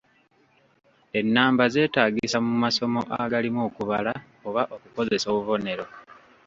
Ennamba zeetaagisa mu masomo agalimu okubala oba okukozesa obubonero.